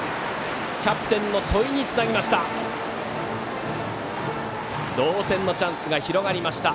キャプテンの戸井につなぎました。